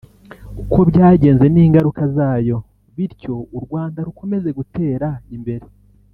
uko yagenze n’ingaruka zayo bityo u Rwanda rukomeze gutera imbere